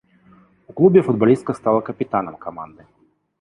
У клубе футбалістка стала капітанам каманды.